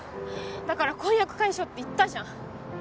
だから婚約解消って言ったじゃん。